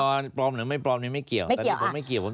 ออยอร์ปลอมหรือไม่ปลอมนี้ไม่เกี่ยวตอนนี้ผมไม่เกี่ยว